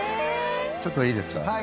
ちょっといいですか？